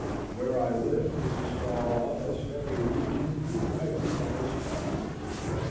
Where I lived was as far off as many a region viewed nightly by astronomers.